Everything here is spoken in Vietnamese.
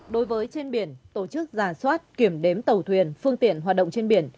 đối với trên biển tổ chức giả soát kiểm đếm tàu thuyền phương tiện hoạt động trên biển